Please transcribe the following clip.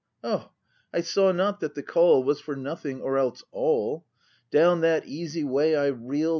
O, I saw not that the call Was for Nothing or else A 1 1. Down that easy way I reel'd.